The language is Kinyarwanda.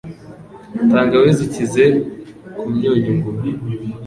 Tangawizi ikize ku myunyu-ngugu